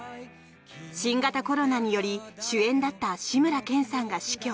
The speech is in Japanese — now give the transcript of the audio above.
新型コロナにより主演だった志村けんさんが死去。